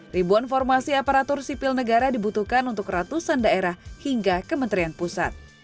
ribuan formasi aparatur sipil negara dibutuhkan untuk ratusan daerah hingga kementerian pusat